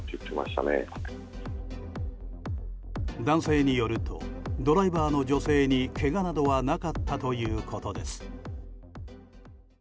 男性によるとドライバーの女性にけがなどはなかったということです。